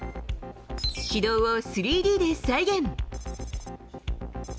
軌道を３Ｄで再現。